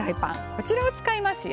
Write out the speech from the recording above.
こちらを使いますよ。